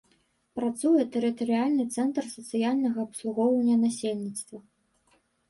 Працуе тэрытарыяльны цэнтр сацыяльнага абслугоўвання насельніцтва.